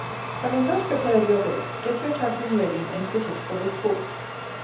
Having thus prepared your baits, get your tackling ready and fitted for this sport.